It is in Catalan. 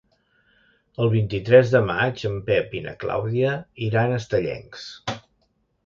El vint-i-tres de maig en Pep i na Clàudia iran a Estellencs.